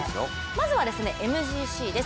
まずはＭＧＣです